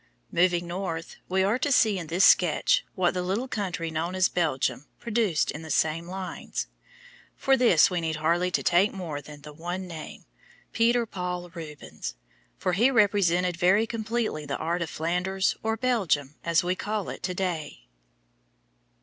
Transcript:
Moving north, we are to see in this sketch what the little country now known as Belgium produced in the same lines. For this we need hardly take more than the one name, Peter Paul Rubens, for he represented very completely the art of Flanders or Belgium, as we call it to day.